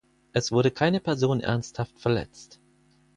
Es wurde keine Person ernsthaft verletzt.